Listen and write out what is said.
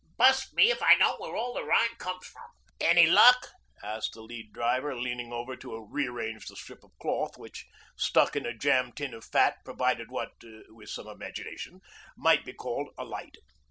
'Bust me if I know where all the rain comes from.' 'Any luck?' asked the Lead Driver, leaning over to rearrange the strip of cloth which, stuck in a jam tin of fat, provided what with some imagination might be called a light.